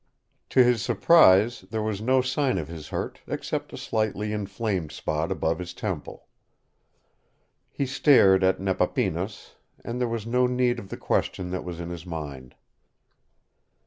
To his surprise there was no sign of his hurt except a slightly inflamed spot above his temple. He stared at Nepapinas, and there was no need of the question that was in his mind.